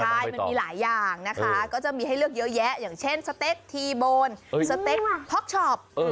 ใช่มันมีหลายอย่างนะคะก็จะมีให้เลือกเยอะแยะอย่างเช่นสเต็กทีโบนสเต็กฮอกช็อป